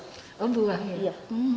oh buah iya